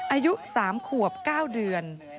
อายุ๓ขวบ๙เดือน